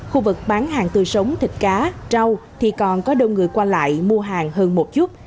khu vực bán hàng tươi sống thịt cá rau thì còn có đông người qua lại mua hàng hơn một chút